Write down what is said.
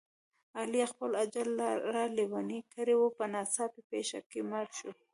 علي خپل اجل را لېونی کړی و، په ناڅاپي پېښه کې مړ شو.